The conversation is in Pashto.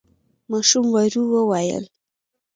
ماشوم ورو وويل: